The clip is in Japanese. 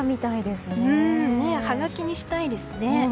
はがきにしたいですね。